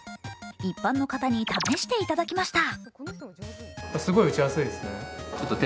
一般の方に試していただきました。